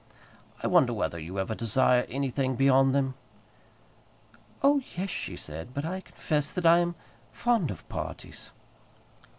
"I wonder whether you ever desire anything beyond them?" "Oh, yes," said she; "but I confess that I am fond of parties."